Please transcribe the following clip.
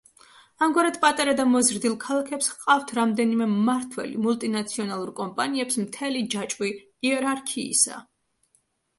ამგვარად, პატარა და მოზრდილ ქალაქებს ჰყავთ რამდენიმე მმართველი, მულტინაციონალურ კომპანიებს მთელი ჯაჭვი იერარქიისა.